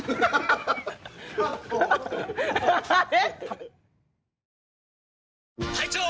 ・あれ？